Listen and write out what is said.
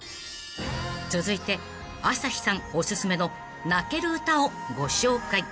［続いて朝日さんおすすめの泣ける歌をご紹介］